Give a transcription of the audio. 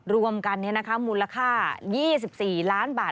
รวมกันมูลค่า๒๔ล้านบาท